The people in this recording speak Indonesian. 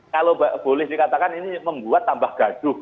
kalau boleh dikatakan ini membuat tambah gaduh